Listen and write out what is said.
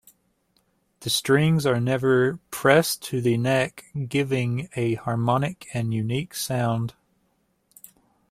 The strings are never pressed to the neck, giving a harmonic and unique sound.